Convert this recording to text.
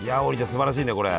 すばらしいねこれ。